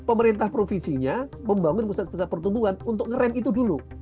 pemerintah provinsinya membangun pusat pusat pertumbuhan untuk ngerem itu dulu